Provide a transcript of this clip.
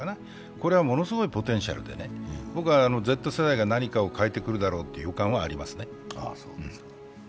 これはものすごいポテンシャルで、僕はＺ世代が何かを変えてくるだろうという予感はありますね。